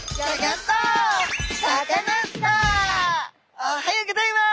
おはようございます！